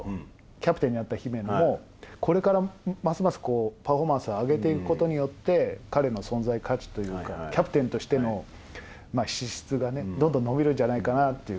キャプテンになった姫野も、これからますますパフォーマンスを上げていくことによって、彼の存在価値というか、キャプテンとしての資質がね、どんどん伸びるんじゃないかなっていう。